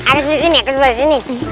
harus disini harus disini